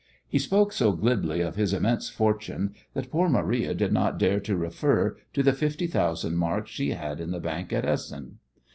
He spoke so glibly of his immense fortune that poor Maria did not dare to refer to the fifty thousand marks she had in the bank at Essen.